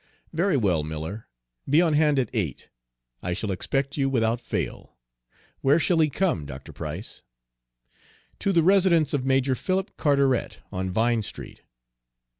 "Very well, Miller, be on hand at eight. I shall expect you without fail. Where shall he come, Dr. Price?" "To the residence of Major Philip Carteret, on Vine Street."